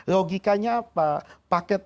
logikanya apa paket